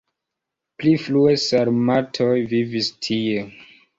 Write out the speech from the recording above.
Pli frue sarmatoj vivis tie.